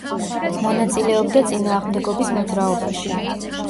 მონაწილეობდა წინააღმდეგობის მოძრაობაში.